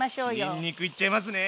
にんにくいっちゃいますね！